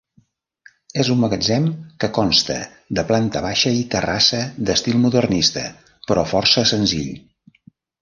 És un magatzem que consta de planta baixa i terrassa d'estil modernista però força senzill.